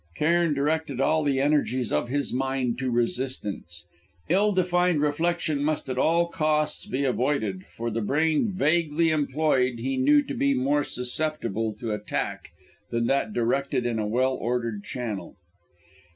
Cairn directed all the energies of his mind to resistance; ill defined reflection must at all costs be avoided, for the brain vaguely employed he knew to be more susceptible to attack than that directed in a well ordered channel.